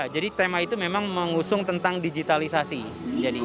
jadi tema itu memang mengusung tentang digitalisasi